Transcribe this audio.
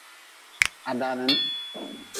Ha danin.